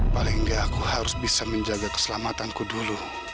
paling nggak aku harus bisa menjaga keselamatanku dulu